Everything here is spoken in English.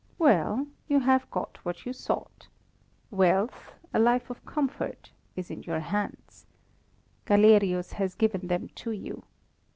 _' Well, you have got what you sought. Wealth, a life of comfort is in your hands. Galerius has given them to you.